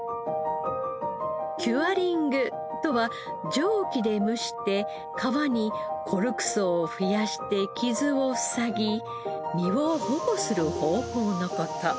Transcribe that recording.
キュアリングとは蒸気で蒸して皮にコルク層を増やして傷を塞ぎ身を保護する方法の事。